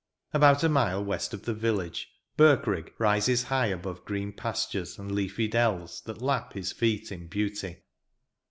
About a mile west of the village Birkrigg rises high above green pastures and leafy dells that lap his feet in beauty.